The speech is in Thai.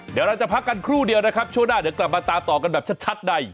เดี๋ยวเราจะพักกันครู่เดียวนะครับช่วงหน้าเดี๋ยวกลับมาตามต่อกันแบบชัดใน